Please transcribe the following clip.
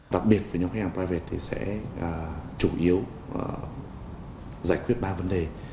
đặc biệt với nhóm khách hàng private thì sẽ chủ yếu giải quyết ba vấn đề